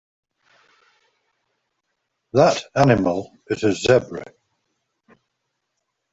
That animal is a Zebra.